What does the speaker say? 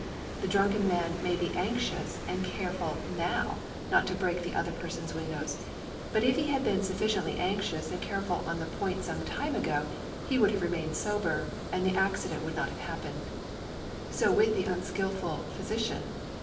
The drunken man may be anxious and careful now not to break other persons' windows, but if he had been sufficiently anxious and careful on the point some time ago, he would have remained sober, and the accident would not have happened. 80 with the unskilful physician.